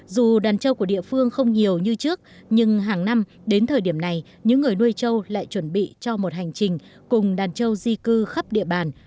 dù đàn trâu của địa phương không nhiều như trước nhưng hàng năm đến thời điểm này những người nuôi trâu lại chuẩn bị cho một hành trình cùng đàn trâu di cư khắp địa bàn